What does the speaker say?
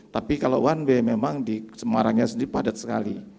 tapi kalau one way memang di semarangnya sendiri padat sekali